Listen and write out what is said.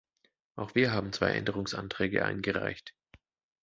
Auch wir haben zwei Änderungsanträge eingereicht.